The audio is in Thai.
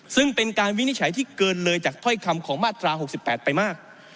ซึ่งเป็นการวินิจฉัยที่เกินเลยจากถ้อยคำของมาตรา๖๘ไปมาก